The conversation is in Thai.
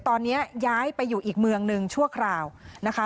ตอนนี้ย้ายไปอยู่อีกเมืองหนึ่งชั่วคราวนะคะ